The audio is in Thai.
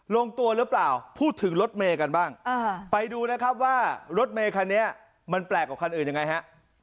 ลงตัวหรือเปล่าพูดถึงรถเมย์กันบ้างไปดูนะครับว่ารถเมคันนี้มันแปลกกว่าคันอื่นยังไงฮะ